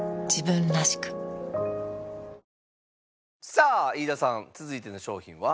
さあ飯田さん続いての商品は？